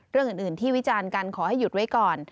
เรื่องอื่นที่วิจารณ์กันขอให้หยุดไว้ก่อน